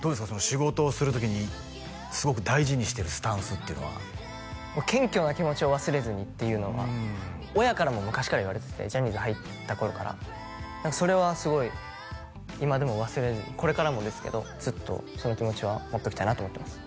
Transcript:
仕事をする時にすごく大事にしてるスタンスっていうのは謙虚な気持ちを忘れずにっていうのは親からも昔から言われててジャニーズ入った頃からそれはすごい今でも忘れずにこれからもですけどずっとその気持ちは持っときたいなと思ってます